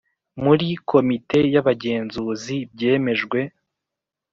muri Komite y Abagenzuzi byemejwe